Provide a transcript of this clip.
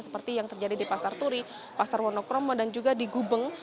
seperti yang terjadi di pasar turi pasar wonokromo dan juga di gubeng